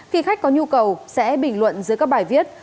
khi khách có nhu cầu sẽ bình luận dưới các bài viết